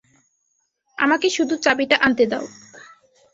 আমাকে শুধু চাবিটা আনতে দাও।